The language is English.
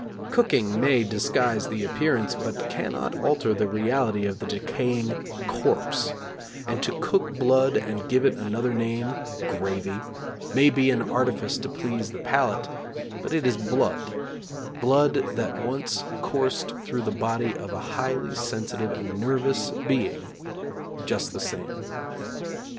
Cooking may disguise the appearance but cannot alter the reality of the decaying corpse; and to cook blood and give it another name (gravy) may be an artifice to please the palate, but it is blood, (blood that once coursed through the body of a highly sensitive and nervous being), just the same.